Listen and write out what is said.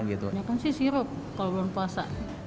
ini kan sih sirup kalau belum puasa